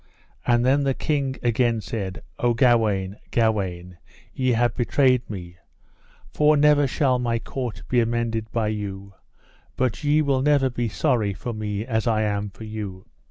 And then the king again said: Ah Gawaine, Gawaine, ye have betrayed me; for never shall my court be amended by you, but ye will never be sorry for me as I am for you.